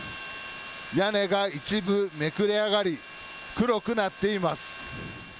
屋根が一部めくれ上がり、黒くなっています。